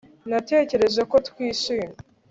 Natekereje ko twishimye